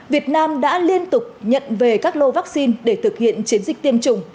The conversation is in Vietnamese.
việt nam đã liên tục nhận về các lô vaccine để thực hiện chiến dịch tiêm chủng